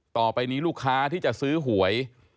ต่อไปนี้ลูกค้าที่จะซื้อหวย